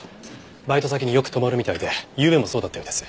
バイト先によく泊まるみたいでゆうべもそうだったようです。